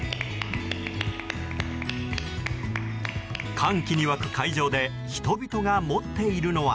歓喜に沸く会場で人々が持っているのは。